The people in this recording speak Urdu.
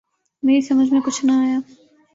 میری سمجھ میں کچھ نہ آیا۔